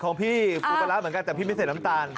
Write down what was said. ของพี่ปูปลาร้าเหมือนกันแต่พี่ไม่ใส่น้ำตาล